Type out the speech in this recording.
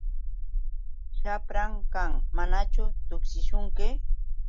Shapran kan. ¿Manachu tuksishunki?